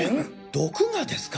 毒がですか！？